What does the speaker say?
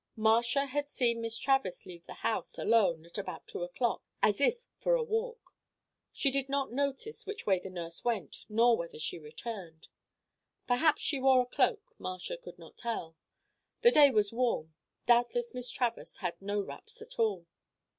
Marcia had seen Miss Travers leave the house, alone, at about two o'clock, as if for a walk. She did not notice which way the nurse went nor whether she returned. Perhaps she wore a cloak; Marcia could not tell. The day was warm; doubtless Miss Travers had no wraps at all.